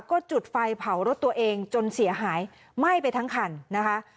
ก็จุดไฟเผารถตัวเองจนเสียหายไหม้ไปทั้งคันนะคะ